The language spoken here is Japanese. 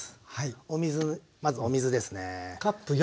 お水まずお水ですね。